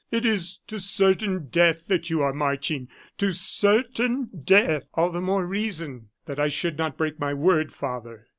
it is to certain death that you are marching to certain death." "All the more reason that I should not break my word, father."